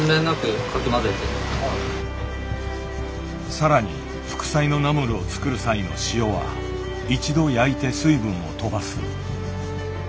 更に副菜のナムルを作る際の塩は一度焼いて水分をとばす。